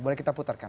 boleh kita putarkan